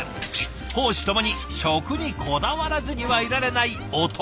公私ともに食にこだわらずにはいられない男。